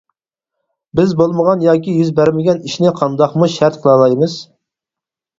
بىز بولمىغان ياكى يۈز بەرمىگەن ئىشنى قانداقمۇ شەرت قىلالايمىز.